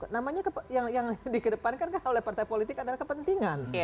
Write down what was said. namanya yang di kedepan kan oleh partai politik adalah kepentingan